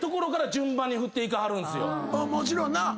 もちろんな。